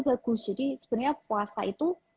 bagus jadi sebenarnya puasa itu